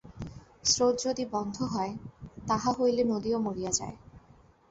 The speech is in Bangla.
স্রোত যদি বন্ধ হয়, তাহা হইলে নদীও মরিয়া যায়।